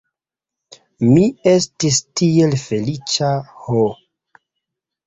Mi estis tiel feliĉa ho!